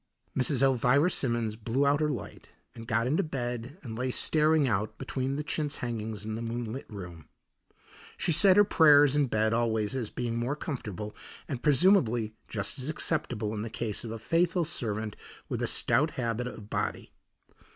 Mrs. Elvira Simmons blew out her light and got into bed and lay staring out between the chintz hangings at the moonlit room. She said her prayers in bed always as being more comfortable, and presumably just as acceptable in the case of a faithful servant with a stout habit of body.